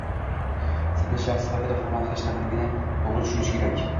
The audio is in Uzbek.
Sizni shaxs sifatida hurmat qilish talabini to'gri tushunishi kerak.